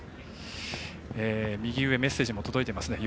右上、メッセージも届いています。